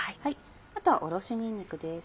あとはおろしにんにくです。